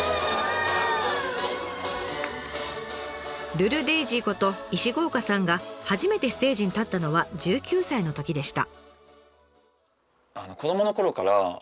ルルデイジーこと石郷岡さんが初めてステージに立ったのは１９歳のときでした。